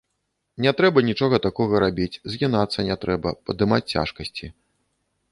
Не трэба нічога такога рабіць, згінацца не трэба, падымаць цяжкасці.